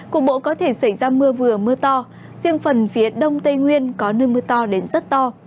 cục bộ có thể xảy ra mưa vừa mưa to riêng phần phía đông tây nguyên có nơi mưa to đến rất to